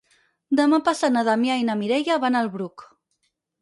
Demà passat na Damià i na Mireia van al Bruc.